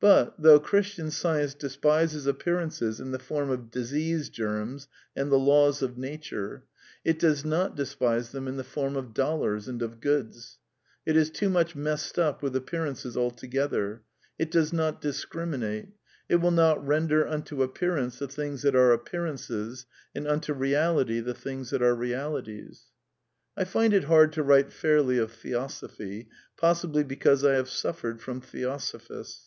But, though Christian Science despises appearances in the form of disease germs and the laws of nature, it does not despise them in the form of dollars and of goods. It is too much messed up with appearances altogether. It does not dis criminate. It will not render unto Appearance the things that are Appearance's^ and unto Eeality the things that axe Eeality's. I find it hard to write fairly of Theosophy, possibly be cause I have suffered from theosophists.